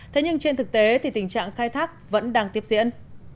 thế nhưng trên thực tế thì tình trạng khai thác vẫn đang tiếp diễn